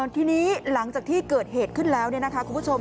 ทีนี้หลังจากที่เกิดเหตุขึ้นแล้วเนี่ยนะคะคุณผู้ชม